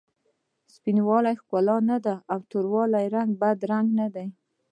سپین والې ښکلا نه ده او تور رنګ بد رنګي نه ده.